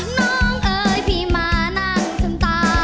น้องเอ๋ยพี่มานั่งจนตา